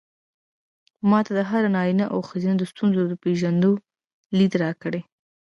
ما ته د هر نارينه او ښځې د ستونزو د پېژندو ليد راکړ.